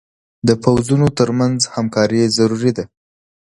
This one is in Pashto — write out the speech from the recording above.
د پوځونو تر منځ همکاري ضروري ده.